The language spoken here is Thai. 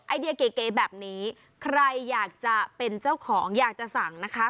ไอเดียเก๋แบบนี้ใครอยากจะเป็นเจ้าของอยากจะสั่งนะคะ